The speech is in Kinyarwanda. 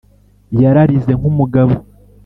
yararize nk'umugabo,